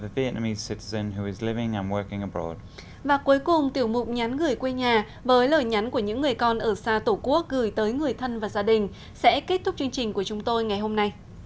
và cuối cùng tiểu mục nhắn gửi quê nhà với lời nhắn của những người con ở xa tổ quốc gửi tới người thân và gia đình sẽ kết thúc chương trình của chúng tôi ngày hôm nay